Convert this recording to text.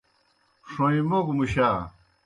ݜون٘ئیں موگوْ مُشا۔